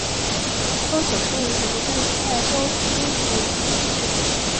科索是位于美国加利福尼亚州因约县的一个非建制地区。